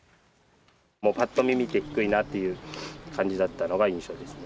ぱっと見、見て、低いなっていう感じだったのが印象です。